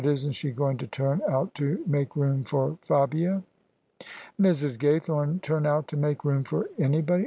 But isn't she going to turn out to make room for Fabia?" " Mrs. Gaythome turn out to make room for anybody?